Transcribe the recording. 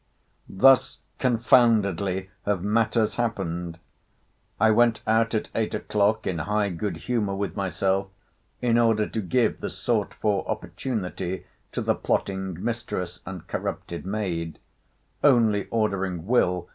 Thus confoundedly have matters happened. I went out at eight o'clock in high good humour with myself, in order to give the sought for opportunity to the plotting mistress and corrupted maid; only ordering Will.